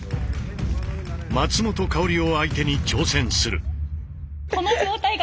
松本薫を相手に挑戦する。